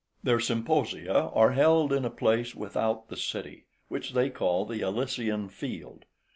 Their symposia are held in a place without the city, which they call the Elysian Field.